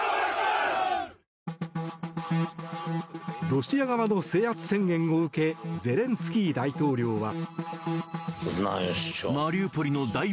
ロシア側の制圧宣言を受けゼレンスキー大統領は。